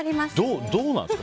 どうなんですか？